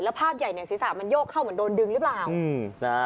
ภาพใหญ่เนี่ยศีรษะมันโยกเข้าเหมือนโดนดึงหรือเปล่า